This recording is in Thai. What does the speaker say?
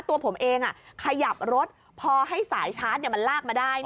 ตัวผมเองขยับรถพอให้สายชาร์จมันลากมาได้